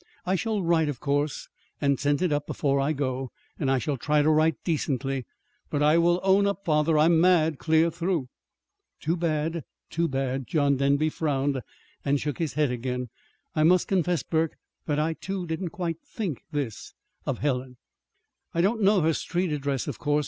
I shall write, of course, and send it up before I go. And I shall try to write decently; but I will own up, father, I'm mad clear through." "Too bad, too bad!" John Denby frowned and shook his head again. "I must confess, Burke, that I, too, didn't quite think this of Helen." "I don't know her street address, of course."